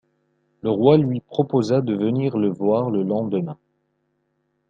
Le roi lui proposa de venir le voir le lendemain.